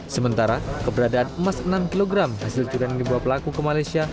sementara keberadaan emas enam kg hasil curian yang dibawa pelaku ke malaysia